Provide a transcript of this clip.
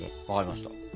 わかりました。